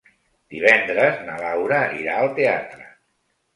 Divendres na Laura irà al teatre.